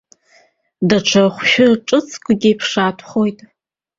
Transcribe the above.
Даҽа хәшәы ҿыцгьы ԥшаатәхауеит.